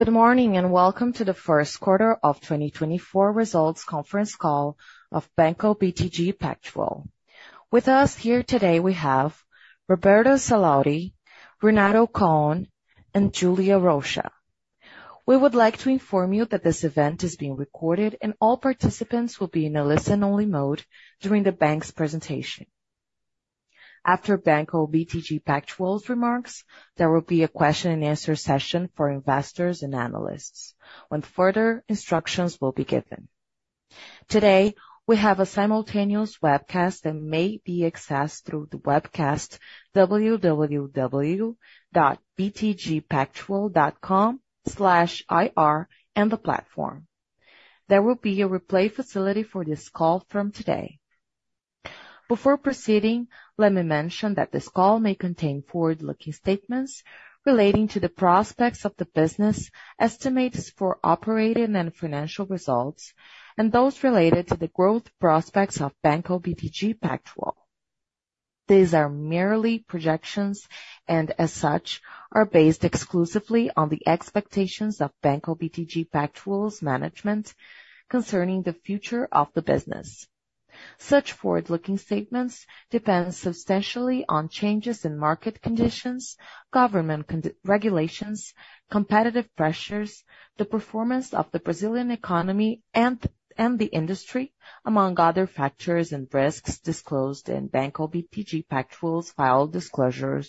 Good morning and welcome to the first quarter of 2024 results conference call of Banco BTG Pactual. With us here today we have Roberto Sallouti, Renato Cohn, and Julia Rocha. We would like to inform you that this event is being recorded and all participants will be in a listen-only mode during the bank's presentation. After Banco BTG Pactual's remarks, there will be a question-and-answer session for investors and analysts, when further instructions will be given. Today we have a simultaneous webcast that may be accessed through the webcast www.btgpactual.com/ir and the platform. There will be a replay facility for this call from today. Before proceeding, let me mention that this call may contain forward-looking statements relating to the prospects of the business, estimates for operating and financial results, and those related to the growth prospects of Banco BTG Pactual. These are merely projections and, as such, are based exclusively on the expectations of Banco BTG Pactual's management concerning the future of the business. Such forward-looking statements depend substantially on changes in market conditions, government regulations, competitive pressures, the performance of the Brazilian economy and the industry, among other factors and risks disclosed in Banco BTG Pactual's filed disclosure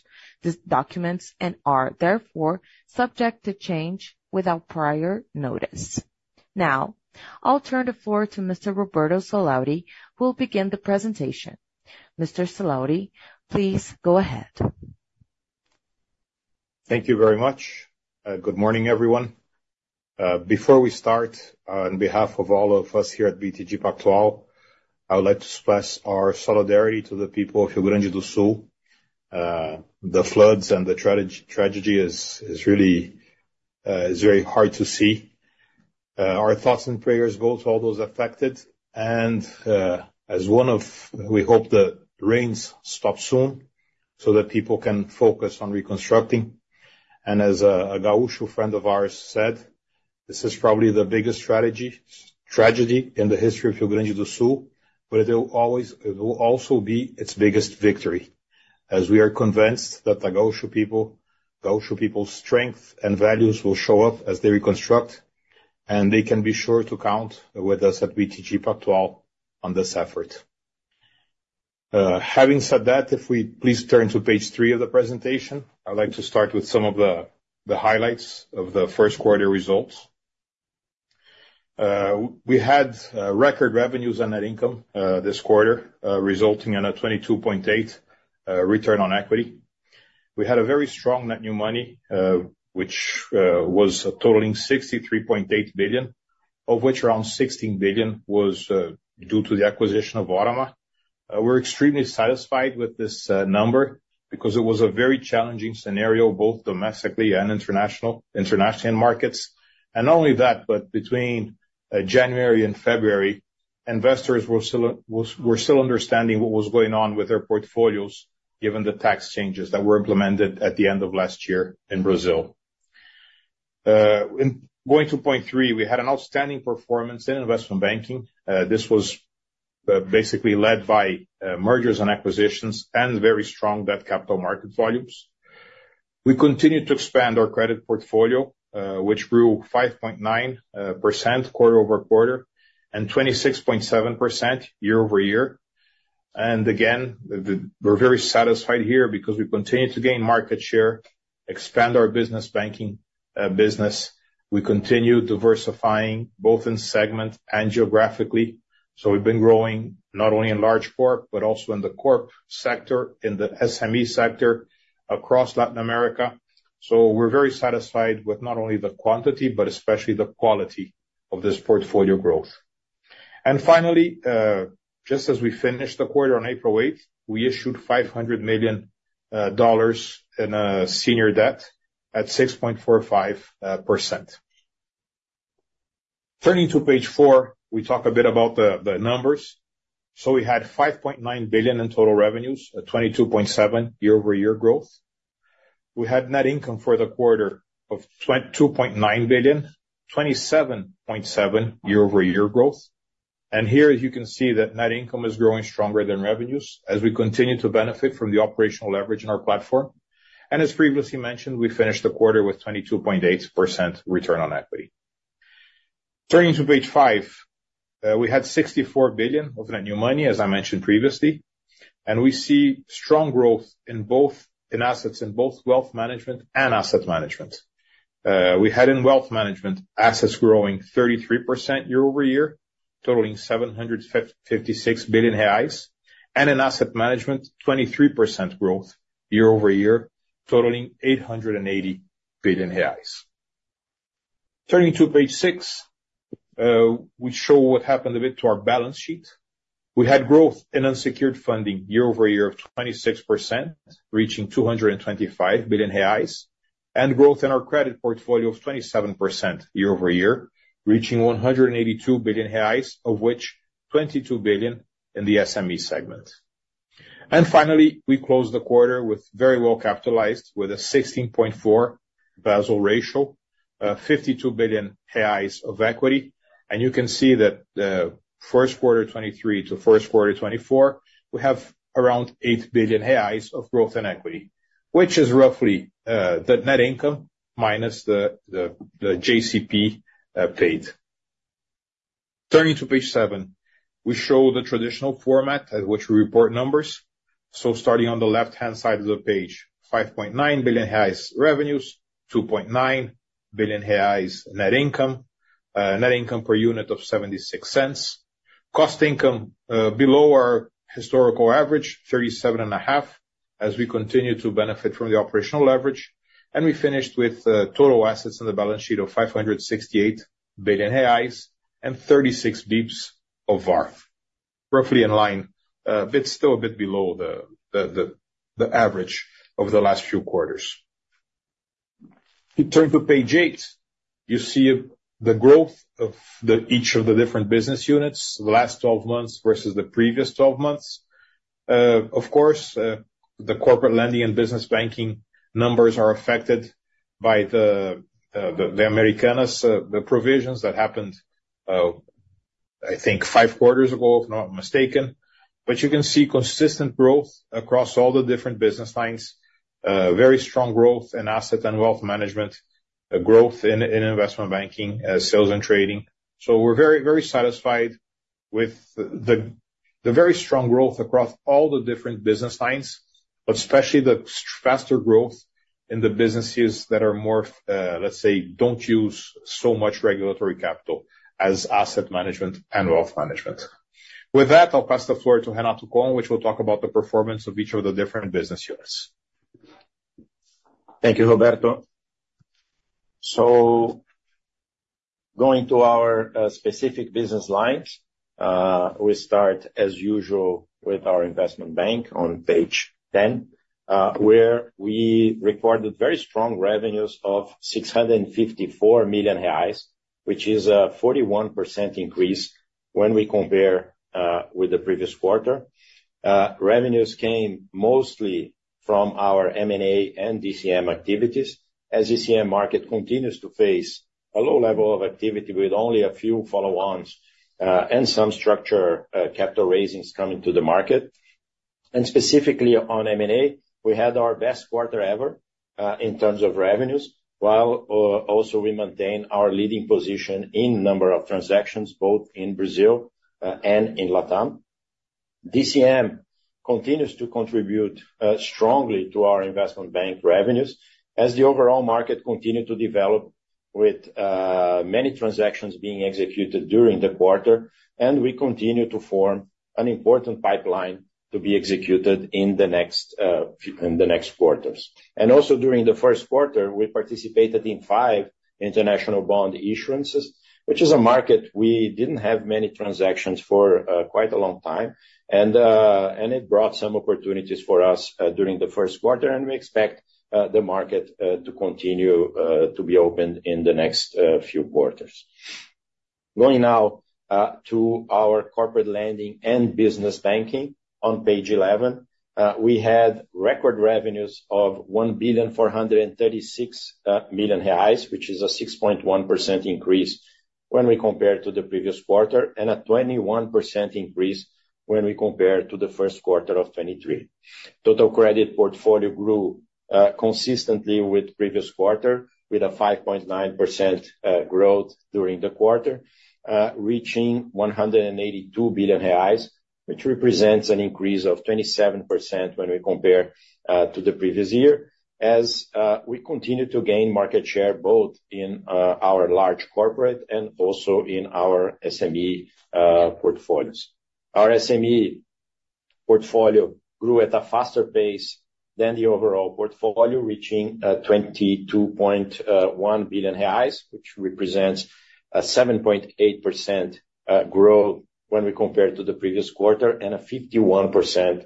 documents and are, therefore, subject to change without prior notice. Now, I'll turn the floor to Mr. Roberto Sallouti, who will begin the presentation. Mr. Sallouti, please go ahead. Thank you very much. Good morning, everyone. Before we start, on behalf of all of us here at BTG Pactual, I would like to express our solidarity to the people of Rio Grande do Sul. The floods and the tragedy are really very hard to see. Our thoughts and prayers go to all those affected, and as one, we hope the rains stop soon so that people can focus on reconstructing. And as a Gaúcho friend of ours said, this is probably the biggest tragedy in the history of Rio Grande do Sul, but it will always also be its biggest victory, as we are convinced that the Gaúcho people's strength and values will show up as they reconstruct, and they can be sure to count with us at BTG Pactual on this effort. Having said that, if we please turn to page three of the presentation, I'd like to start with some of the highlights of the first quarter results. We had record revenues and net income this quarter, resulting in a 22.8% return on equity. We had a very strong net new money, which was totaling 63.8 billion, of which around 16 billion was due to the acquisition of Órama. We're extremely satisfied with this number because it was a very challenging scenario both domestically and international markets. And not only that, but between January and February, investors were still understanding what was going on with their portfolios, given the tax changes that were implemented at the end of last year in Brazil. Going to point three, we had an outstanding performance in investment banking. This was basically led by mergers and acquisitions and very strong debt capital market volumes. We continued to expand our credit portfolio, which grew 5.9% quarter-over-quarter and 26.7% year-over-year. And again, we're very satisfied here because we continue to gain market share, expand our business banking business. We continue diversifying both in segment and geographically. So we've been growing not only in large corp, but also in the corp sector, in the SME sector across Latin America. So we're very satisfied with not only the quantity, but especially the quality of this portfolio growth. And finally, just as we finished the quarter on April 8th, we issued $500 million in senior debt at 6.45%. Turning to page four, we talk a bit about the numbers. So we had 5.9 billion in total revenues, a 22.7% year-over-year growth. We had net income for the quarter of 2.9 billion, 27.7% year-over-year growth. Here, as you can see, that net income is growing stronger than revenues as we continue to benefit from the operational leverage in our platform. As previously mentioned, we finished the quarter with 22.8% return on equity. Turning to page five, we had 64 billion of net new money, as I mentioned previously. We see strong growth in both assets, in both wealth management and asset management. We had in wealth management assets growing 33% year-over-year, totaling 756 billion reais, and in asset management, 23% growth year-over-year, totaling BRL 880 billion. Turning to page six, we show what happened a bit to our balance sheet. We had growth in unsecured funding year-over-year of 26%, reaching 225 billion reais, and growth in our credit portfolio of 27% year-over-year, reaching 182 billion reais, of which 22 billion in the SME segment. And finally, we closed the quarter very well capitalized, with a 16.4% Basel ratio, 52 billion reais of equity. And you can see that first quarter 2023 to first quarter 2024, we have around eight billion reais of growth in equity, which is roughly the net income minus the JCP paid. Turning to page seven, we show the traditional format at which we report numbers. So starting on the left-hand side of the page, 5.9 billion reais revenues, 2.9 billion reais net income, net income per unit of 0.76. Cost income below our historical average, 37.5%, as we continue to benefit from the operational leverage. We finished with total assets in the balance sheet of 568 billion reais and 36 bps of VaR, roughly in line, but still a bit below the average of the last few quarters. Turning to page eight, you see the growth of each of the different business units, the last 12 months versus the previous 12 months. Of course, the corporate lending and business banking numbers are affected by the Americanas, the provisions that happened, I think, five quarters ago, if I'm not mistaken. But you can see consistent growth across all the different business lines, very strong growth in asset and wealth management, growth in investment banking, sales and trading. So we're very, very satisfied with the very strong growth across all the different business lines, but especially the faster growth in the businesses that are more, let's say, don't use so much regulatory capital as asset management and wealth management. With that, I'll pass the floor to Renato Cohn, which will talk about the performance of each of the different business units. Thank you, Roberto. Going to our specific business lines, we start, as usual, with our investment bank on page 10, where we recorded very strong revenues of 654 million reais, which is a 41% increase when we compare with the previous quarter. Revenues came mostly from our M&A and DCM activities, as DCM market continues to face a low level of activity with only a few follow-ons and some structured capital raisings coming to the market. Specifically on M&A, we had our best quarter ever in terms of revenues, while also we maintain our leading position in number of transactions, both in Brazil and in Latam. DCM continues to contribute strongly to our investment bank revenues as the overall market continued to develop, with many transactions being executed during the quarter, and we continue to form an important pipeline to be executed in the next quarters. During the first quarter, we participated in five international bond issuances, which is a market we didn't have many transactions for quite a long time, and it brought some opportunities for us during the first quarter, and we expect the market to continue to be open in the next few quarters. Going now to our corporate lending and business banking on page 11, we had record revenues of 1,436 million reais, which is a 6.1% increase when we compare to the previous quarter and a 21% increase when we compare to the first quarter of 2023. Total credit portfolio grew consistently with previous quarter, with a 5.9% growth during the quarter, reaching 182 billion reais, which represents an increase of 27% when we compare to the previous year, as we continue to gain market share both in our large corporate and also in our SME portfolios. Our SME portfolio grew at a faster pace than the overall portfolio, reaching 22.1 billion reais, which represents a 7.8% growth when we compare to the previous quarter and a 51%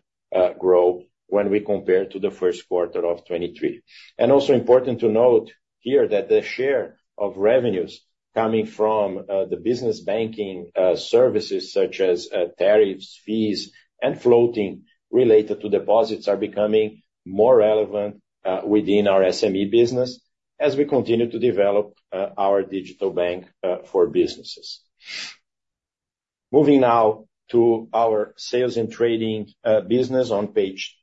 growth when we compare to the first quarter of 2023. Also important to note here that the share of revenues coming from the business banking services, such as tariffs, fees, and floating related to deposits, are becoming more relevant within our SME business as we continue to develop our digital bank for businesses. Moving now to our Sales and Trading business on page 12,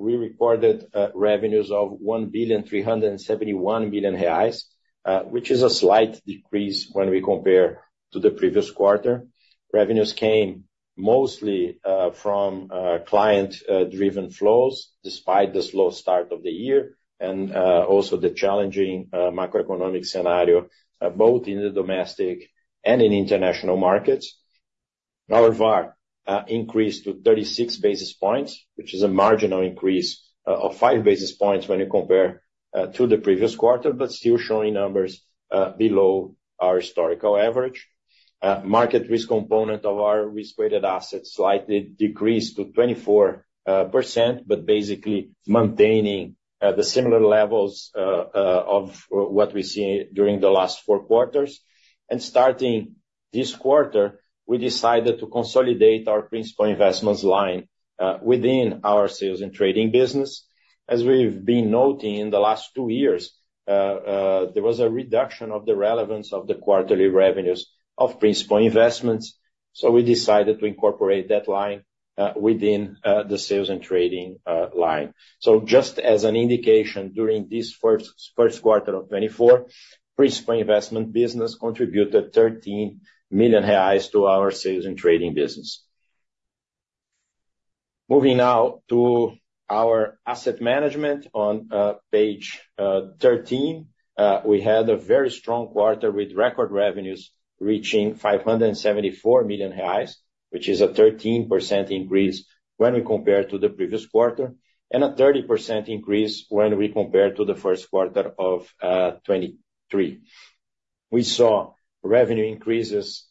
we recorded revenues of 1.371 billion, which is a slight decrease when we compare to the previous quarter. Revenues came mostly from client-driven flows, despite the slow start of the year and also the challenging macroeconomic scenario, both in the domestic and in international markets. Our VAR increased to 36 basis points, which is a marginal increase of five basis points when you compare to the previous quarter, but still showing numbers below our historical average. Market risk component of our risk-weighted assets slightly decreased to 24%, but basically maintaining the similar levels of what we see during the last four quarters. Starting this quarter, we decided to consolidate our principal investments line within our Sales and Trading business. As we've been noting in the last two years, there was a reduction of the relevance of the quarterly revenues of principal investments. We decided to incorporate that line within the Sales and Trading line. Just as an indication, during this first quarter of 2024, principal investment business contributed 13 million reais to our Sales and Trading business. Moving now to our asset management on page 13, we had a very strong quarter with record revenues reaching 574 million reais, which is a 13% increase when we compare to the previous quarter and a 30% increase when we compare to the first quarter of 2023. We saw revenue increases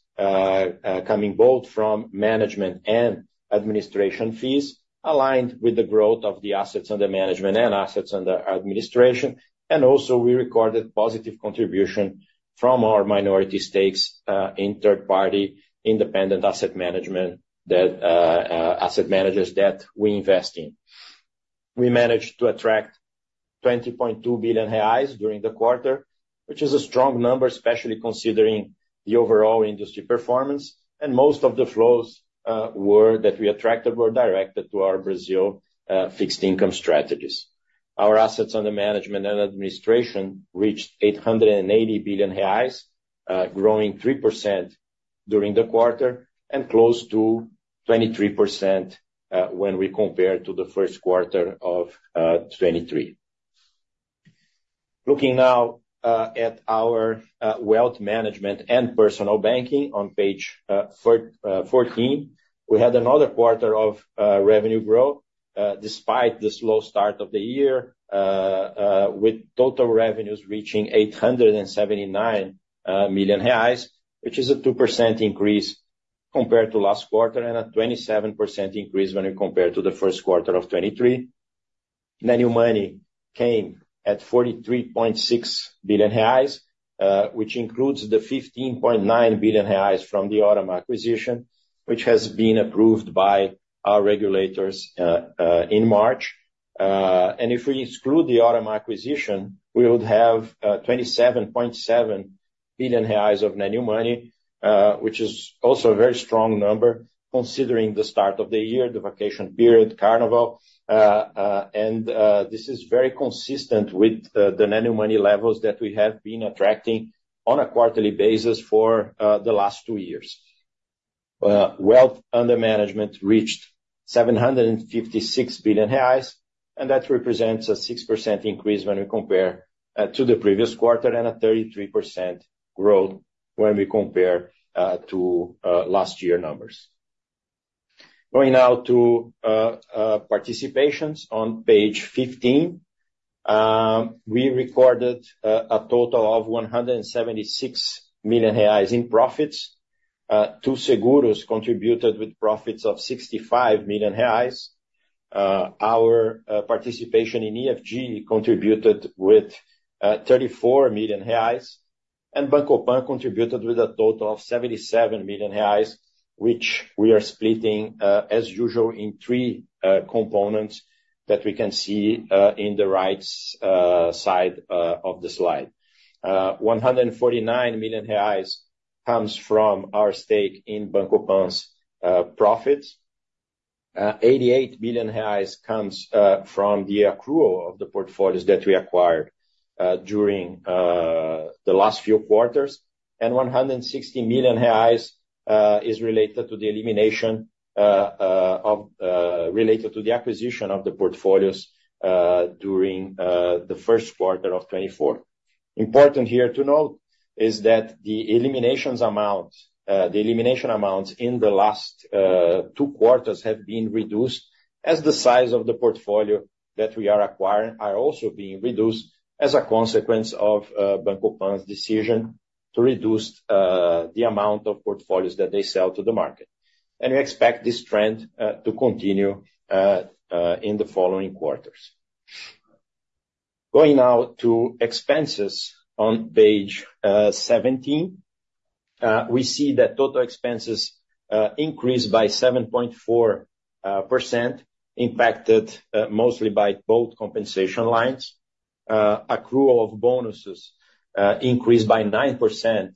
coming both from management and administration fees, aligned with the growth of the assets under management and assets under administration. Also we recorded positive contribution from our minority stakes in third-party independent asset management asset managers that we invest in. We managed to attract 20.2 billion reais during the quarter, which is a strong number, especially considering the overall industry performance. Most of the flows that we attracted were directed to our Brazil fixed income strategies. Our assets under management and administration reached 880 billion reais, growing 3% during the quarter and close to 23% when we compare to the first quarter of 2023. Looking now at our wealth management and personal banking on page 14, we had another quarter of revenue growth despite the slow start of the year, with total revenues reaching 879 million reais, which is a 2% increase compared to last quarter and a 27% increase when you compare to the first quarter of 2023. Net new money came at 43.6 billion reais, which includes the 15.9 billion reais from the Órama acquisition, which has been approved by our regulators in March. And if we exclude the Órama acquisition, we would have 27.7 billion reais of net new money, which is also a very strong number considering the start of the year, the vacation period, carnival. This is very consistent with the net new money levels that we have been attracting on a quarterly basis for the last two years. Wealth under management reached 756 billion reais, and that represents a 6% increase when we compare to the previous quarter and a 33% growth when we compare to last year numbers. Going now to participations on page 15, we recorded a total of 176 million reais in profits. Too Seguros contributed with profits of 65 million reais. Our participation in EFG contributed with 34 million reais. And Banco PAN contributed with a total of 77 million reais, which we are splitting, as usual, in three components that we can see in the right side of the slide. 149 million reais comes from our stake in Banco PAN's profits. 88 million reais comes from the accrual of the portfolios that we acquired during the last few quarters. 160 million reais is related to the elimination related to the acquisition of the portfolios during the first quarter of 2024. Important here to note is that the elimination amounts in the last two quarters have been reduced as the size of the portfolio that we are acquiring are also being reduced as a consequence of Banco PAN's decision to reduce the amount of portfolios that they sell to the market. We expect this trend to continue in the following quarters. Going now to expenses on page 17, we see that total expenses increased by 7.4%, impacted mostly by both compensation lines. Accrual of bonuses increased by 9%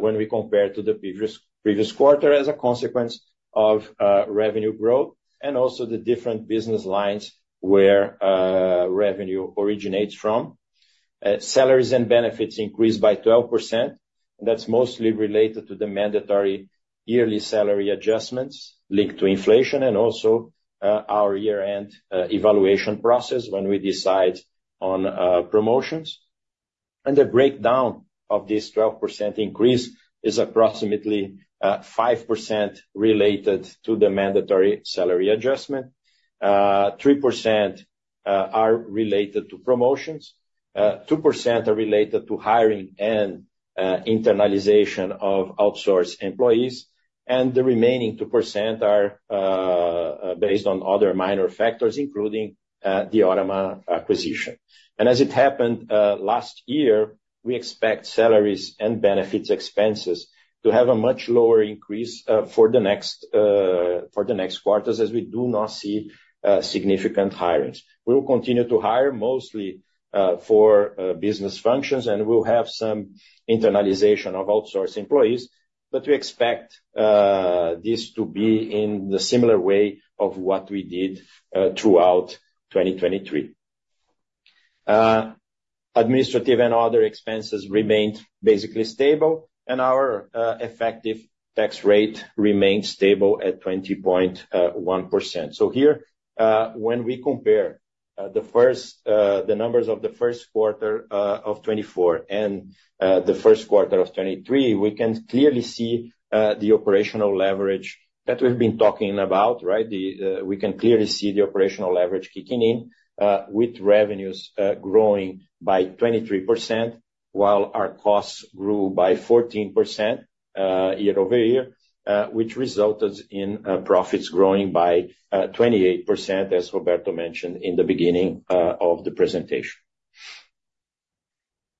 when we compare to the previous quarter as a consequence of revenue growth and also the different business lines where revenue originates from. Salaries and benefits increased by 12%. That's mostly related to the mandatory yearly salary adjustments linked to inflation and also our year-end evaluation process when we decide on promotions. The breakdown of this 12% increase is approximately 5% related to the mandatory salary adjustment. 3% are related to promotions. 2% are related to hiring and internalization of outsourced employees. The remaining 2% are based on other minor factors, including the Órama acquisition. As it happened last year, we expect salaries and benefits expenses to have a much lower increase for the next quarters as we do not see significant hirings. We will continue to hire mostly for business functions, and we'll have some internalization of outsourced employees. But we expect this to be in the similar way of what we did throughout 2023. Administrative and other expenses remained basically stable, and our effective tax rate remained stable at 20.1%. So here, when we compare the numbers of the first quarter of 2024 and the first quarter of 2023, we can clearly see the operational leverage that we've been talking about, right? We can clearly see the operational leverage kicking in with revenues growing by 23% while our costs grew by 14% year-over-year, which resulted in profits growing by 28%, as Roberto mentioned in the beginning of the presentation.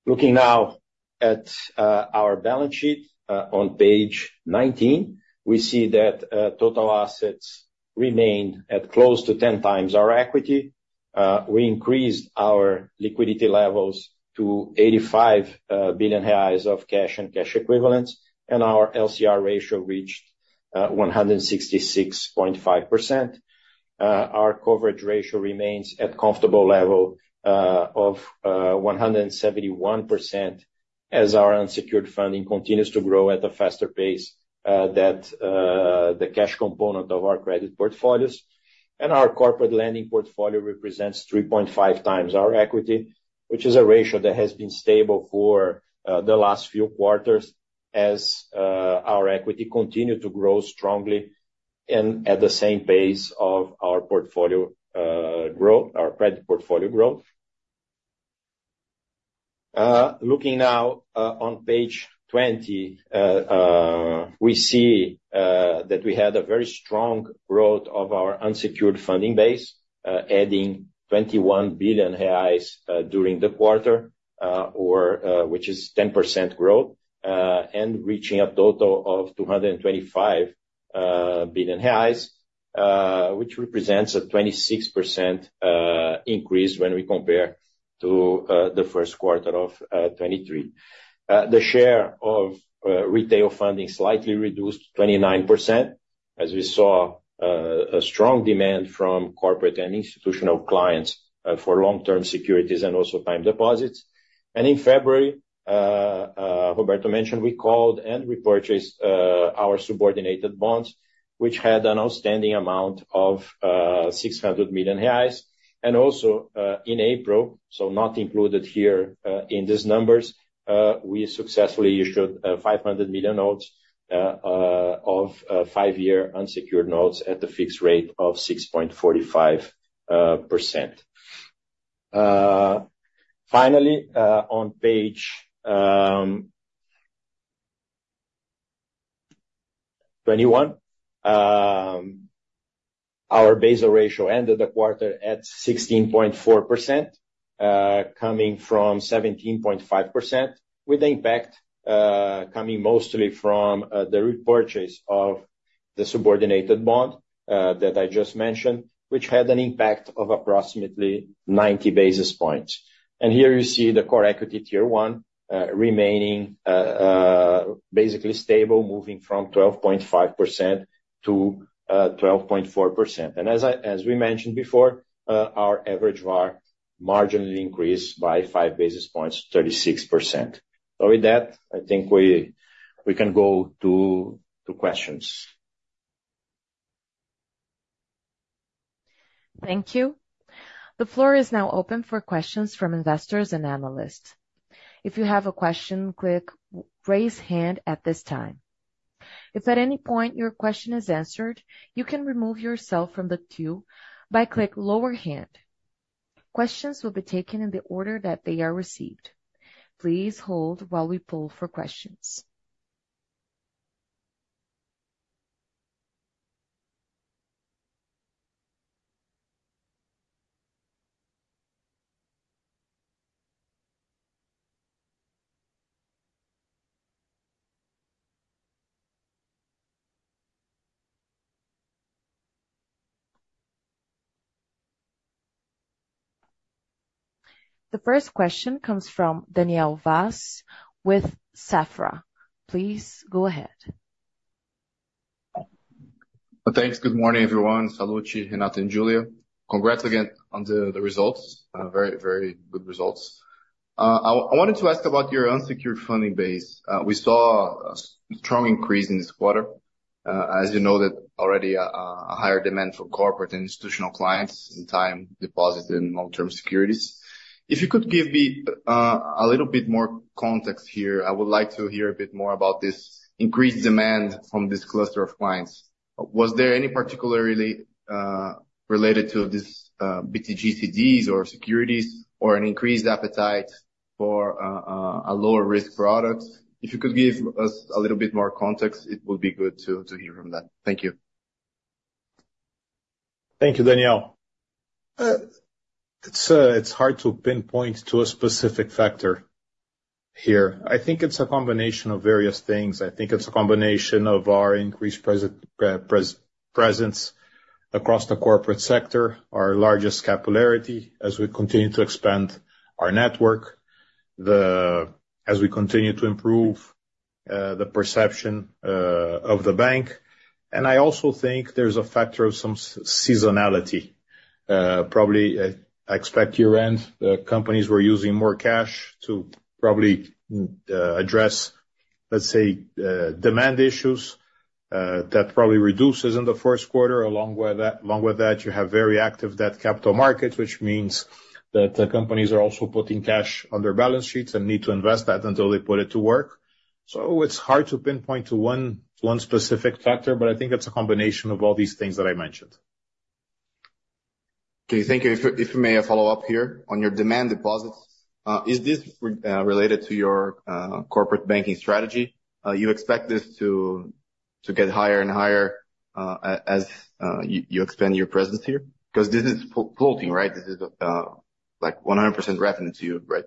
Looking now at our balance sheet on page 19, we see that total assets remained at close to 10 times our equity. We increased our liquidity levels to 85 billion reais of cash and cash equivalents, and our LCR ratio reached 166.5%. Our coverage ratio remains at a comfortable level of 171% as our unsecured funding continues to grow at a faster pace than the cash component of our credit portfolios. Our corporate lending portfolio represents 3.5 times our equity, which is a ratio that has been stable for the last few quarters as our equity continued to grow strongly and at the same pace of our portfolio growth, our credit portfolio growth. Looking now on page 20, we see that we had a very strong growth of our unsecured funding base, adding 21 billion reais during the quarter, which is 10% growth, and reaching a total of 225 billion reais, which represents a 26% increase when we compare to the first quarter of 2023. The share of retail funding slightly reduced to 29% as we saw a strong demand from corporate and institutional clients for long-term securities and also time deposits. In February, Roberto mentioned we called and repurchased our subordinated bonds, which had an outstanding amount of 600 million reais. Also in April, so not included here in these numbers, we successfully issued 500 million notes of 5-year unsecured notes at the fixed rate of 6.45%. Finally, on page 21, our Basel ratio ended the quarter at 16.4%, coming from 17.5%, with the impact coming mostly from the repurchase of the subordinated bond that I just mentioned, which had an impact of approximately 90 basis points. Here you see the Core Equity Tier 1 remaining basically stable, moving from 12.5%-12.4%. As we mentioned before, our average VAR marginally increased by five basis points, 36%. So with that, I think we can go to questions. Thank you. The floor is now open for questions from investors and analysts. If you have a question, click "Raise Hand" at this time. If at any point your question is answered, you can remove yourself from the queue by clicking "Lower Hand." Questions will be taken in the order that they are received. Please hold while we pull for questions. The first question comes from Daniel Vaz with Safra. Please go ahead. Thanks. Good morning, everyone. Sallouti, Renato, and Julia. Congrats again on the results. Very, very good results. I wanted to ask about your unsecured funding base. We saw a strong increase in this quarter. As you know already, a higher demand from corporate and institutional clients in time deposits and long-term securities. If you could give me a little bit more context here, I would like to hear a bit more about this increased demand from this cluster of clients. Was there anything particularly related to these BTG CDs or securities or an increased appetite for lower-risk products? If you could give us a little bit more context, it would be good to hear from that. Thank you. Thank you, Daniel. It's hard to pinpoint to a specific factor here. I think it's a combination of various things. I think it's a combination of our increased presence across the corporate sector, our largest capillarity as we continue to expand our network, as we continue to improve the perception of the bank. And I also think there's a factor of some seasonality. Probably I expect year-end companies were using more cash to probably address, let's say, demand issues that probably reduces in the first quarter. Along with that, you have very active debt capital markets, which means that companies are also putting cash on their balance sheets and need to invest that until they put it to work. So it's hard to pinpoint to one specific factor, but I think it's a combination of all these things that I mentioned. Okay. Thank you. If you may, a follow-up here on your demand deposits. Is this related to your corporate banking strategy? You expect this to get higher and higher as you expand your presence here? Because this is floating, right? This is like 100% reference to you, right?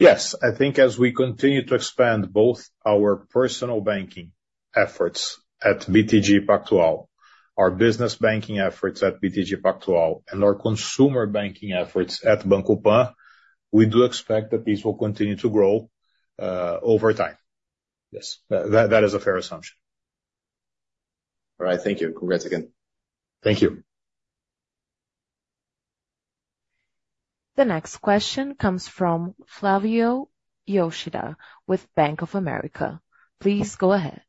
Yes. I think as we continue to expand both our personal banking efforts at BTG Pactual, our business banking efforts at BTG Pactual, and our consumer banking efforts at Banco PAN, we do expect that these will continue to grow over time. Yes. That is a fair assumption. All right. Thank you. Congrats again. Thank you. The next question comes from Flavio Yoshida with Bank of America. Please go ahead.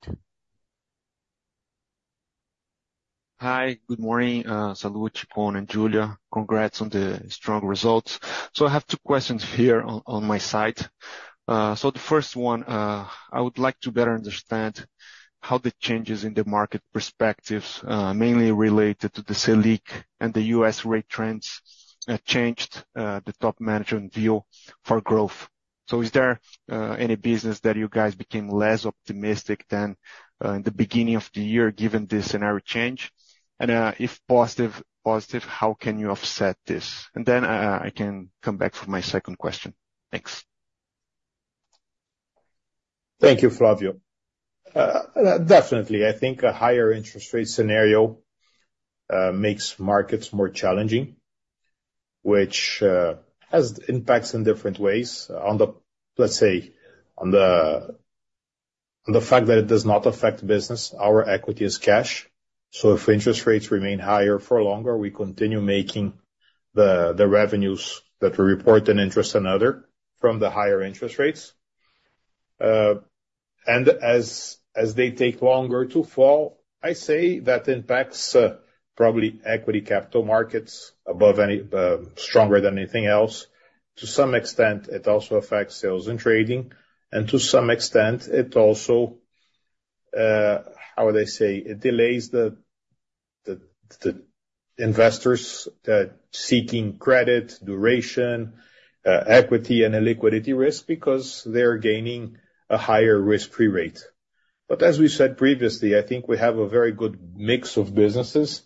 Hi. Good morning, Sallouti, Cohn, and Julia. Congrats on the strong results. So I have two questions here on my side. So the first one, I would like to better understand how the changes in the market perspectives, mainly related to the Selic and the US rate trends, changed the top management view for growth. So is there any business that you guys became less optimistic than in the beginning of the year given this scenario change? And if positive, how can you offset this? And then I can come back for my second question. Thanks. Thank you, Flavio. Definitely. I think a higher interest rate scenario makes markets more challenging, which has impacts in different ways. Let's say, on the fact that it does not affect business, our equity is cash. So if interest rates remain higher for longer, we continue making the revenues that we report in interest and other from the higher interest rates. And as they take longer to fall, I say that impacts probably equity capital markets stronger than anything else. To some extent, it also affects Sales and Trading. And to some extent, it also how would I say? It delays the investors seeking credit, duration, equity, and illiquidity risk because they are gaining a higher risk-free rate. But as we said previously, I think we have a very good mix of businesses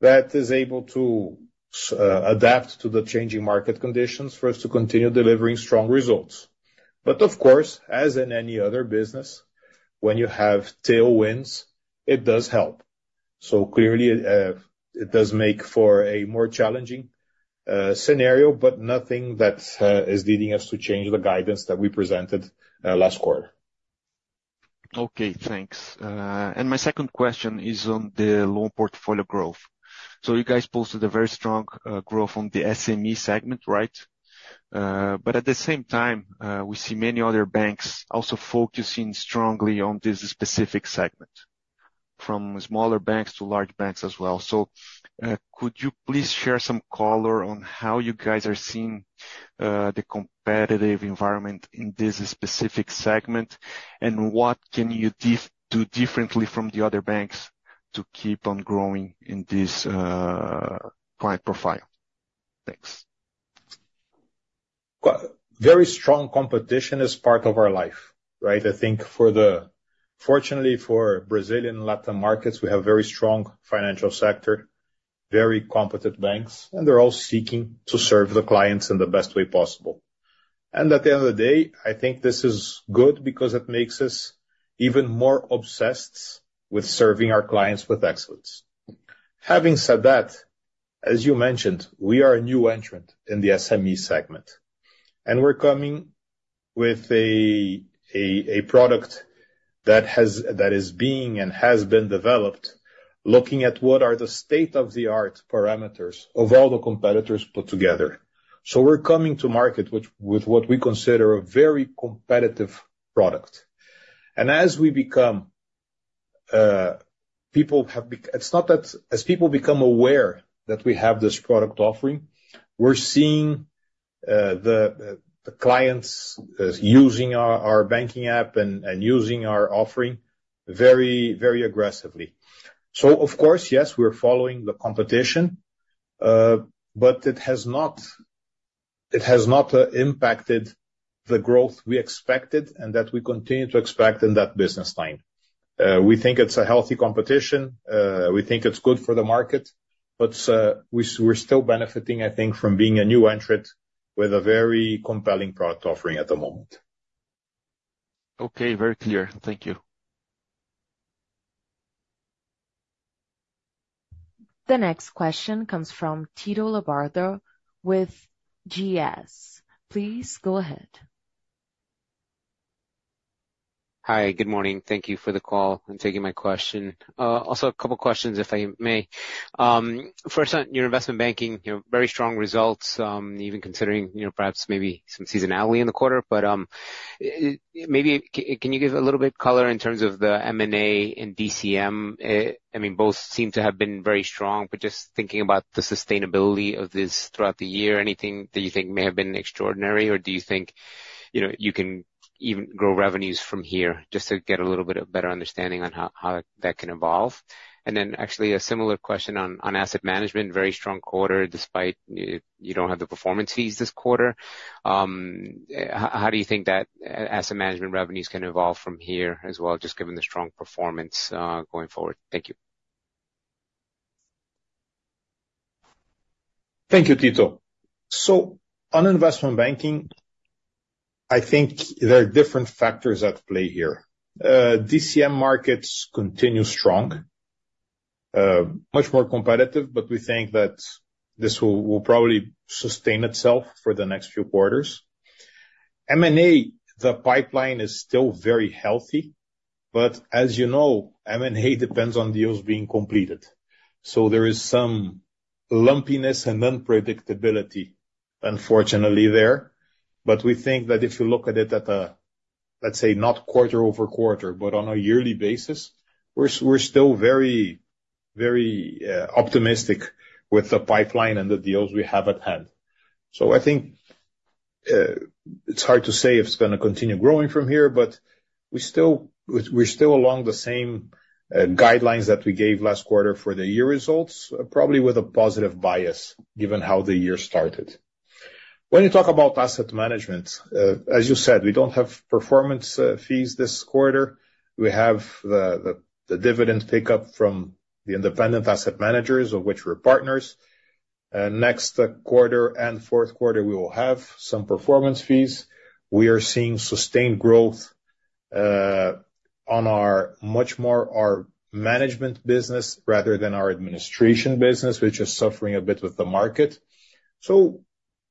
that is able to adapt to the changing market conditions for us to continue delivering strong results. But of course, as in any other business, when you have tailwinds, it does help. So clearly, it does make for a more challenging scenario, but nothing that is leading us to change the guidance that we presented last quarter. Okay. Thanks. My second question is on the loan portfolio growth. So you guys posted a very strong growth on the SME segment, right? But at the same time, we see many other banks also focusing strongly on this specific segment, from smaller banks to large banks as well. So could you please share some color on how you guys are seeing the competitive environment in this specific segment, and what can you do differently from the other banks to keep on growing in this client profile? Thanks. Very strong competition is part of our life, right? I think fortunately for Brazilian and Latin markets, we have a very strong financial sector, very competent banks, and they're all seeking to serve the clients in the best way possible. And at the end of the day, I think this is good because it makes us even more obsessed with serving our clients with excellence. Having said that, as you mentioned, we are a new entrant in the SME segment, and we're coming with a product that is being and has been developed looking at what are the state-of-the-art parameters of all the competitors put together. So we're coming to market with what we consider a very competitive product. It's not that as people become aware that we have this product offering, we're seeing the clients using our banking app and using our offering very, very aggressively. So of course, yes, we're following the competition, but it has not impacted the growth we expected and that we continue to expect in that business line. We think it's a healthy competition. We think it's good for the market, but we're still benefiting, I think, from being a new entrant with a very compelling product offering at the moment. Okay. Very clear. Thank you. The next question comes from Tito Labarta with GS. Please go ahead. Hi. Good morning. Thank you for the call and taking my question. Also, a couple of questions, if I may. First one, your investment banking very strong results, even considering perhaps maybe some seasonality in the quarter. But maybe can you give a little bit of color in terms of the M&A and DCM? I mean, both seem to have been very strong, but just thinking about the sustainability of this throughout the year, anything that you think may have been extraordinary, or do you think you can even grow revenues from here just to get a little bit of better understanding on how that can evolve? And then actually a similar question on asset management, very strong quarter despite you don't have the performance fees this quarter. How do you think that asset management revenues can evolve from here as well, just given the strong performance going forward? Thank you. Thank you, Tito. So on investment banking, I think there are different factors at play here. DCM markets continue strong, much more competitive, but we think that this will probably sustain itself for the next few quarters. M&A, the pipeline is still very healthy, but as you know, M&A depends on deals being completed. So there is some lumpiness and unpredictability, unfortunately, there. But we think that if you look at it at a, let's say, not quarter-over-quarter, but on a yearly basis, we're still very, very optimistic with the pipeline and the deals we have at hand. So I think it's hard to say if it's going to continue growing from here, but we're still along the same guidelines that we gave last quarter for the year results, probably with a positive bias given how the year started. When you talk about asset management, as you said, we don't have performance fees this quarter. We have the dividend pickup from the independent asset managers, of which we're partners. Next quarter and fourth quarter, we will have some performance fees. We are seeing sustained growth on much more our management business rather than our administration business, which is suffering a bit with the market. So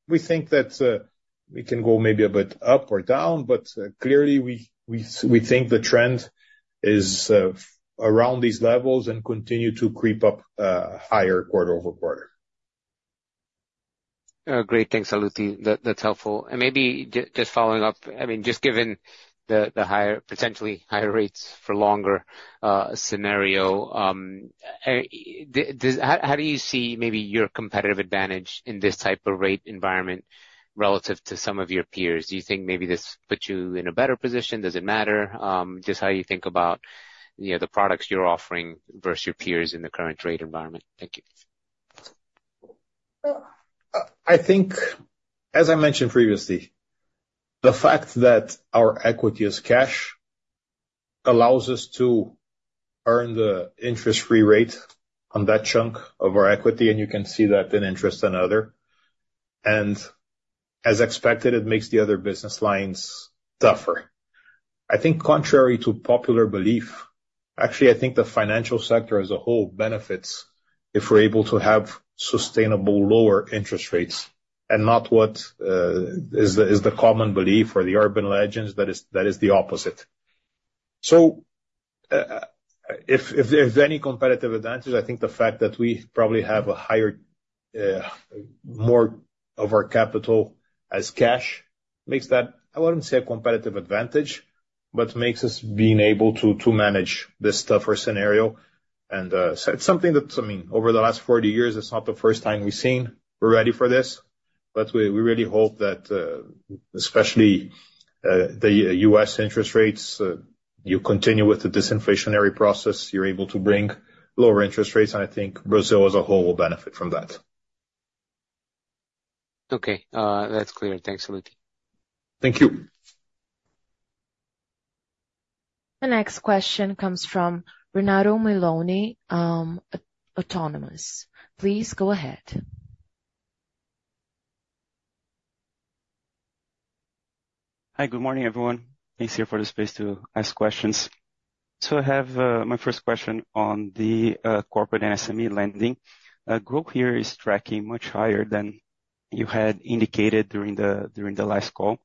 we think that we can go maybe a bit up or down, but clearly, we think the trend is around these levels and continue to creep up higher quarter over quarter. Great. Thanks, Sallouti. That's helpful. Maybe just following up, I mean, just given the potentially higher rates for longer scenario, how do you see maybe your competitive advantage in this type of rate environment relative to some of your peers? Do you think maybe this puts you in a better position? Does it matter just how you think about the products you're offering versus your peers in the current rate environment? Thank you. I think, as I mentioned previously, the fact that our equity is cash allows us to earn the interest-free rate on that chunk of our equity, and you can see that in interest and other. And as expected, it makes the other business lines tougher. I think contrary to popular belief, actually, I think the financial sector as a whole benefits if we're able to have sustainable lower interest rates and not what is the common belief or the urban legends that is the opposite. So if any competitive advantage, I think the fact that we probably have more of our capital as cash makes that I wouldn't say a competitive advantage, but makes us being able to manage this tougher scenario. And it's something that, I mean, over the last 40 years, it's not the first time we've seen we're ready for this. We really hope that especially the U.S. interest rates, you continue with the disinflationary process, you're able to bring lower interest rates. I think Brazil as a whole will benefit from that. Okay. That's clear. Thanks, Sallouti. Thank you. The next question comes from Renato Meloni, Autonomous. Please go ahead. Hi. Good morning, everyone. Nice here for the space to ask questions. So I have my first question on the corporate and SME lending. Growth here is tracking much higher than you had indicated during the last call.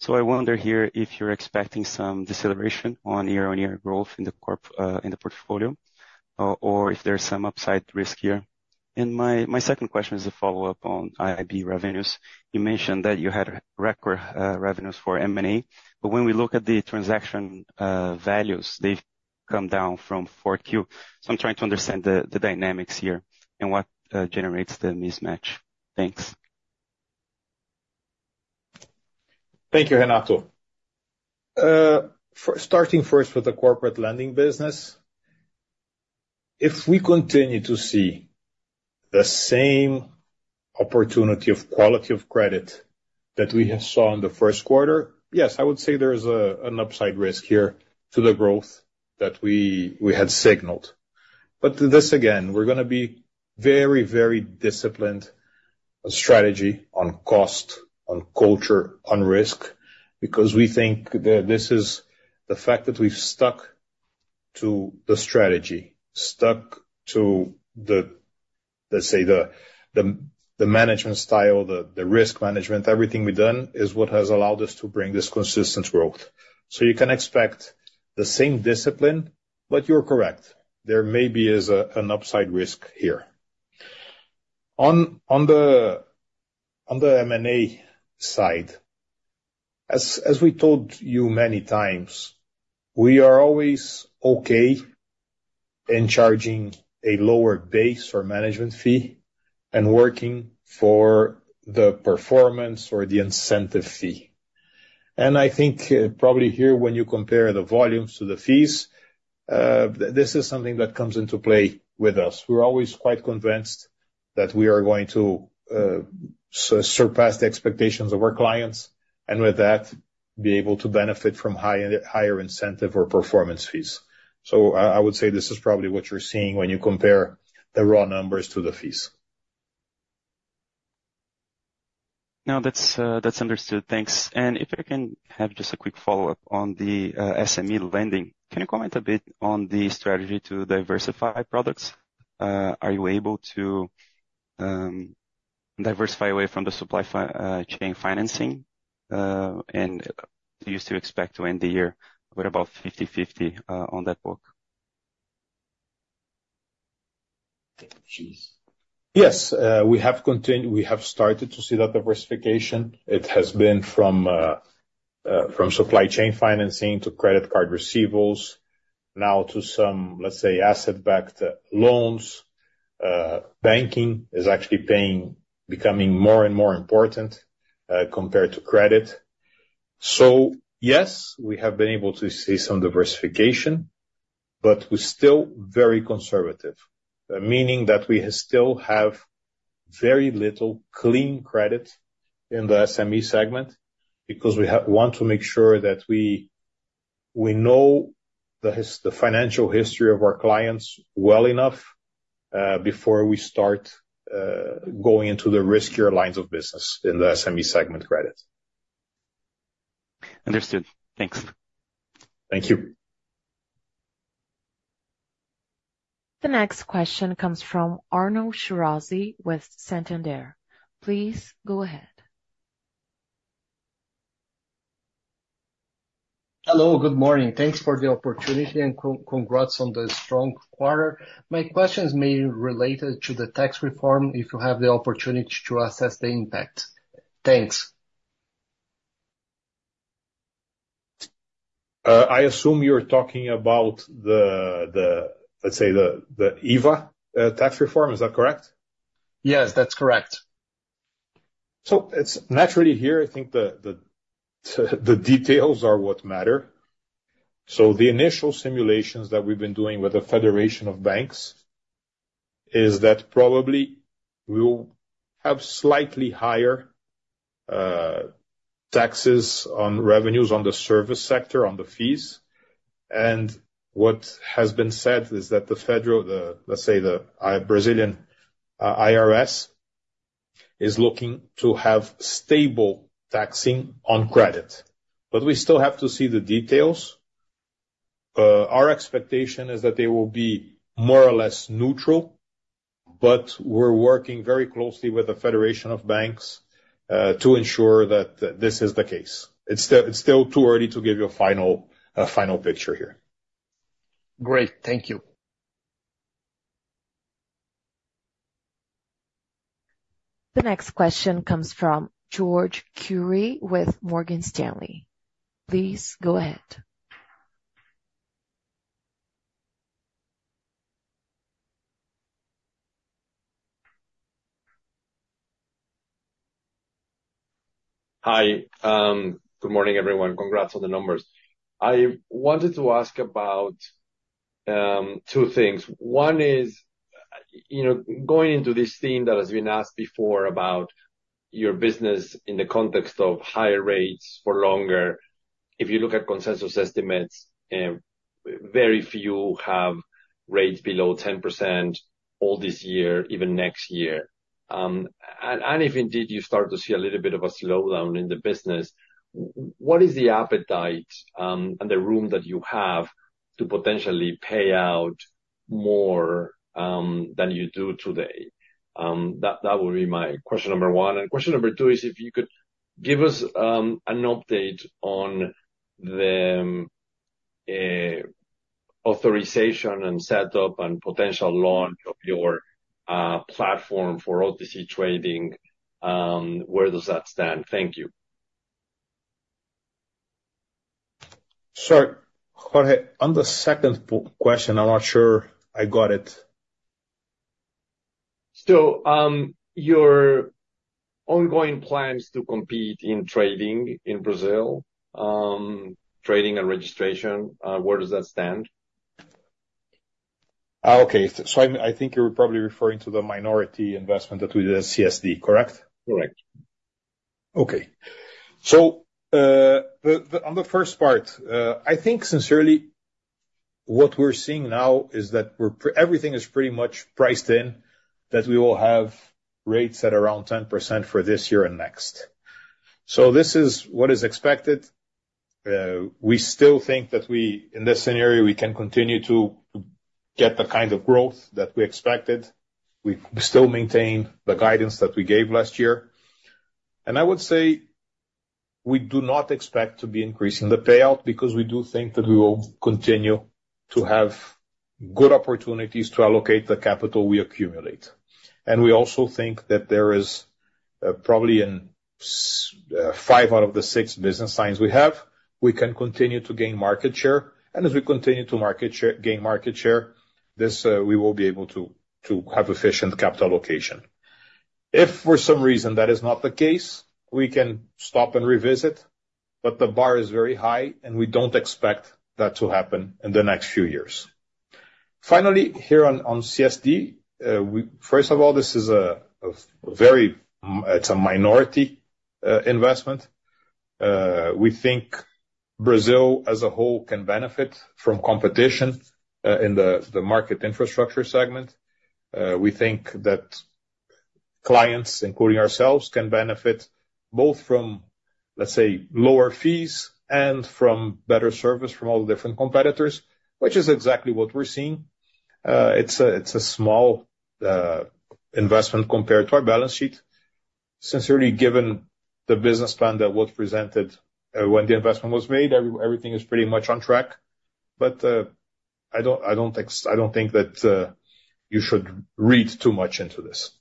So I wonder here if you're expecting some deceleration on year-on-year growth in the portfolio or if there's some upside risk here. And my second question is a follow-up on IIB revenues. You mentioned that you had record revenues for M&A, but when we look at the transaction values, they've come down from 4Q. So I'm trying to understand the dynamics here and what generates the mismatch. Thanks. Thank you, Renato. Starting first with the corporate lending business, if we continue to see the same opportunity of quality of credit that we saw in the first quarter, yes, I would say there is an upside risk here to the growth that we had signaled. But this again, we're going to be very, very disciplined strategy on cost, on culture, on risk because we think this is the fact that we've stuck to the strategy, stuck to, let's say, the management style, the risk management. Everything we've done is what has allowed us to bring this consistent growth. So you can expect the same discipline, but you're correct. There maybe is an upside risk here. On the M&A side, as we told you many times, we are always okay in charging a lower base or management fee and working for the performance or the incentive fee. I think probably here when you compare the volumes to the fees, this is something that comes into play with us. We're always quite convinced that we are going to surpass the expectations of our clients and with that, be able to benefit from higher incentive or performance fees. I would say this is probably what you're seeing when you compare the raw numbers to the fees. No, that's understood. Thanks. And if I can have just a quick follow-up on the SME lending, can you comment a bit on the strategy to diversify products? Are you able to diversify away from the supply chain financing? And do you still expect to end the year with about 50/50 on that book? Yes. We have started to see that diversification. It has been from supply chain financing to credit card receivables, now to some, let's say, asset-backed loans. Banking is actually becoming more and more important compared to credit. So yes, we have been able to see some diversification, but we're still very conservative, meaning that we still have very little clean credit in the SME segment because we want to make sure that we know the financial history of our clients well enough before we start going into the riskier lines of business in the SME segment credit. Understood. Thanks. Thank you. The next question comes from Arnon Shirazi with Santander. Please go ahead. Hello. Good morning. Thanks for the opportunity and congrats on the strong quarter. My questions may be related to the tax reform if you have the opportunity to assess the impact. Thanks. I assume you're talking about, let's say, the IVA tax reform. Is that correct? Yes, that's correct. It's naturally here, I think the details are what matter. The initial simulations that we've been doing with the federation of banks is that probably we'll have slightly higher taxes on revenues on the service sector, on the fees. What has been said is that the federal, let's say, the Brazilian IRS is looking to have stable taxing on credit. But we still have to see the details. Our expectation is that they will be more or less neutral, but we're working very closely with the federation of banks to ensure that this is the case. It's still too early to give you a final picture here. Great. Thank you. The next question comes from Jorge Kuri with Morgan Stanley. Please go ahead. Hi. Good morning, everyone. Congrats on the numbers. I wanted to ask about two things. One is going into this theme that has been asked before about your business in the context of higher rates for longer. If you look at consensus estimates, very few have rates below 10% all this year, even next year. And if indeed you start to see a little bit of a slowdown in the business, what is the appetite and the room that you have to potentially pay out more than you do today? That would be my question number one. And question number two is if you could give us an update on the authorization and setup and potential launch of your platform for OTC trading. Where does that stand? Thank you. Sure. On the second question, I'm not sure I got it. So your ongoing plans to compete in trading in Brazil, trading and registration, where does that stand? Okay. So I think you're probably referring to the minority investment that we did at CSD, correct? Correct. Okay. So on the first part, I think sincerely, what we're seeing now is that everything is pretty much priced in that we will have rates at around 10% for this year and next. So this is what is expected. We still think that in this scenario, we can continue to get the kind of growth that we expected. We still maintain the guidance that we gave last year. And I would say we do not expect to be increasing the payout because we do think that we will continue to have good opportunities to allocate the capital we accumulate. And we also think that there is probably in five out of the six business lines we have, we can continue to gain market share. And as we continue to gain market share, we will be able to have efficient capital allocation. If for some reason that is not the case, we can stop and revisit, but the bar is very high, and we don't expect that to happen in the next few years. Finally, here on CSD, first of all, this is a minority investment. We think Brazil as a whole can benefit from competition in the market infrastructure segment. We think that clients, including ourselves, can benefit both from, let's say, lower fees and from better service from all the different competitors, which is exactly what we're seeing. It's a small investment compared to our balance sheet. Sincerely, given the business plan that was presented when the investment was made, everything is pretty much on track. But I don't think that you should read too much into this.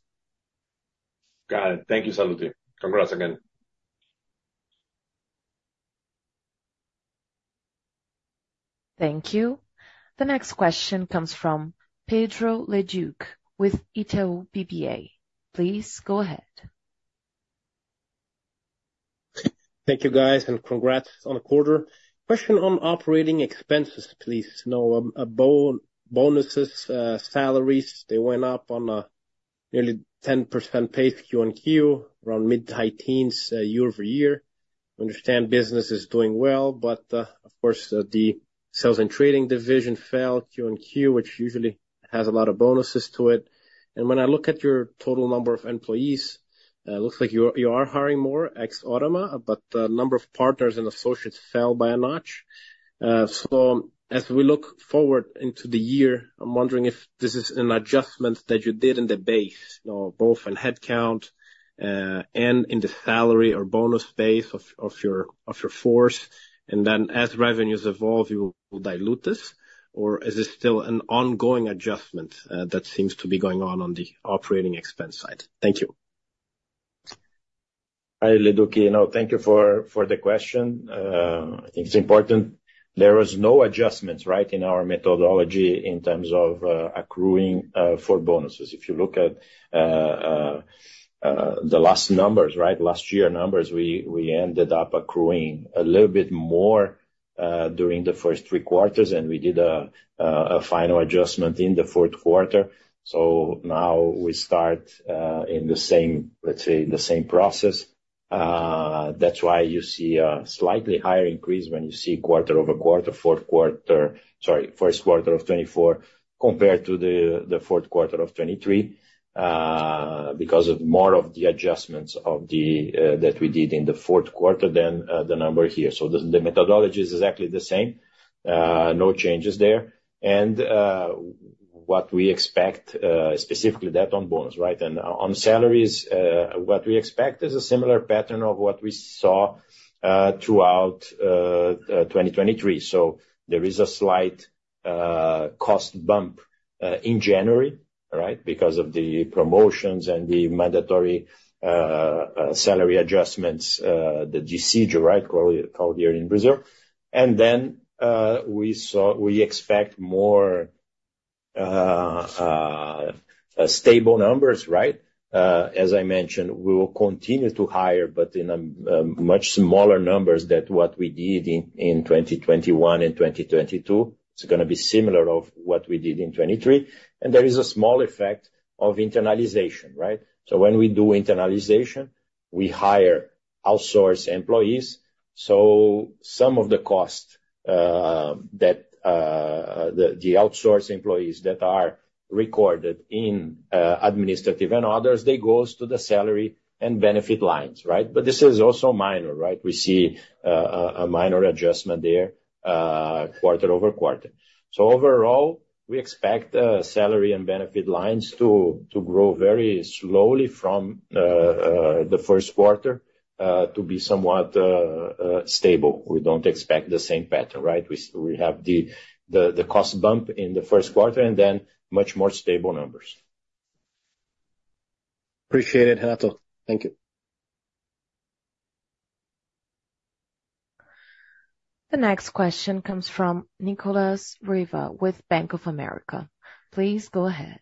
Got it. Thank you, Sallouti. Congrats again. Thank you. The next question comes from Pedro Leduc with Itaú BBA. Please go ahead. Thank you, guys, and congrats on the quarter. Question on operating expenses, please. No, bonuses, salaries, they went up on a nearly 10% quarter-over-quarter around mid-teens year-over-year. I understand business is doing well, but of course, the Sales and Trading division fell quarter-over-quarter, which usually has a lot of bonuses to it. And when I look at your total number of employees, it looks like you are hiring more ex-autonomous, but the number of partners and associates fell by a notch. So as we look forward into the year, I'm wondering if this is an adjustment that you did in the base, both in headcount and in the salary or bonus base of your force. And then as revenues evolve, you will dilute this, or is this still an ongoing adjustment that seems to be going on on the operating expense side? Thank you. Hi, Leduc. No, thank you for the question. I think it's important. There was no adjustments, right, in our methodology in terms of accruing for bonuses. If you look at the last numbers, right, last year numbers, we ended up accruing a little bit more during the first three quarters, and we did a final adjustment in the fourth quarter. So now we start in the same, let's say, the same process. That's why you see a slightly higher increase when you see quarter-over-quarter, fourth quarter, sorry, first quarter of 2024 compared to the fourth quarter of 2023 because of more of the adjustments that we did in the fourth quarter than the number here. So the methodology is exactly the same. No changes there. And what we expect, specifically that on bonus, right? On salaries, what we expect is a similar pattern of what we saw throughout 2023. So there is a slight cost bump in January, right, because of the promotions and the mandatory salary adjustments, the dissídio, right, called here in Brazil. Then we expect more stable numbers, right? As I mentioned, we will continue to hire, but in much smaller numbers than what we did in 2021 and 2022. It's going to be similar to what we did in 2023. There is a small effect of internalization, right? So when we do internalization, we hire outsourced employees. So some of the cost that the outsourced employees that are recorded in administrative and others, they go to the salary and benefit lines, right? But this is also minor, right? We see a minor adjustment there quarter-over-quarter. Overall, we expect salary and benefit lines to grow very slowly from the first quarter to be somewhat stable. We don't expect the same pattern, right? We have the cost bump in the first quarter and then much more stable numbers. Appreciate it, Renato. Thank you. The next question comes from Nicolas Riva with Bank of America. Please go ahead.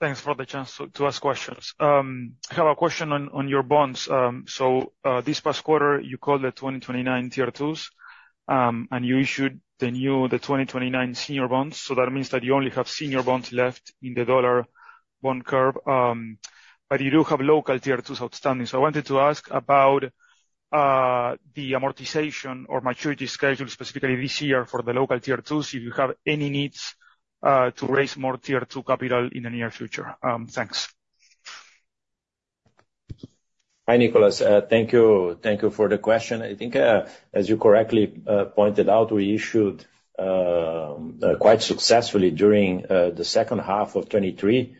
Thanks for the chance to ask questions. I have a question on your bonds. So this past quarter, you called the 2029 Tier 2s, and you issued the 2029 senior bonds. So that means that you only have senior bonds left in the dollar bond curve. But you do have local Tier 2s outstanding. So I wanted to ask about the amortization or maturity schedule, specifically this year for the local Tier 2s, if you have any needs to raise more Tier 2 capital in the near future. Thanks. Hi, Nicolas. Thank you for the question. I think, as you correctly pointed out, we issued quite successfully during the second half of 2023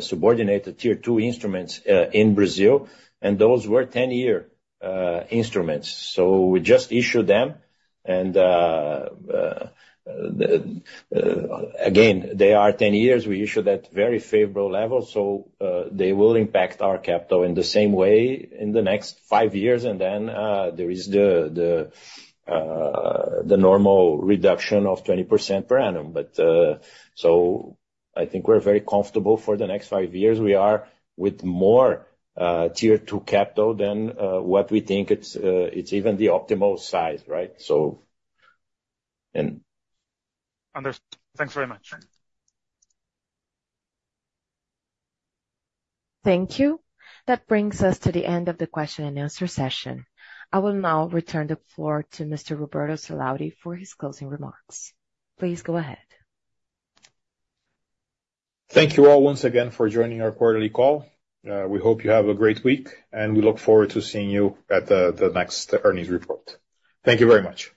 subordinated Tier 2 instruments in Brazil, and those were 10-year instruments. So we just issued them. And again, they are 10 years. We issued at very favorable levels. So they will impact our capital in the same way in the next five years, and then there is the normal reduction of 20% per annum. So I think we're very comfortable for the next five years. We are with more Tier 2 capital than what we think it's even the optimal size, right? Thanks very much. Thank you. That brings us to the end of the question-and-answer session. I will now return the floor to Mr. Roberto Sallouti for his closing remarks. Please go ahead. Thank you all once again for joining our quarterly call. We hope you have a great week, and we look forward to seeing you at the next earnings report. Thank you very much.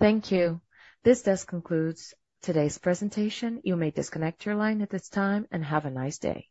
Thank you. This does conclude today's presentation. You may disconnect your line at this time and have a nice day.